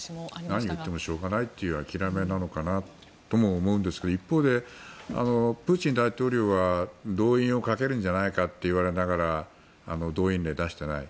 何を言ってもしょうがないという諦めなのかなとも思いますが一方で、プーチン大統領は動員をかけるんじゃないかといわれながら動員令出してない。